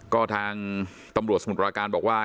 ก็ทางตำรวจสมุทรปราการบอกว่า